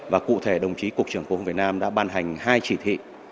và cụ thể đồng chí cục trưởng của hồng việt nam đã ban hành hai chỉ thị